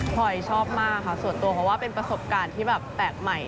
พลอยชอบมากค่ะส่วนตัวเพราะว่าเป็นประสบการณ์ที่แบบแปลกใหม่